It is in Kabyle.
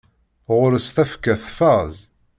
Ɣur-s tafekka tfaz.